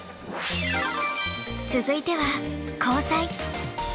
続いては「交際」。